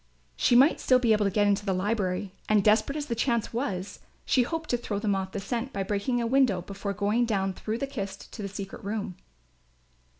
She might still be able to get into the library and, desperate as the chance was, she hoped to throw them off the scent by breaking a window before going down through the kist to the secret room.